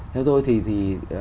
theo tôi thì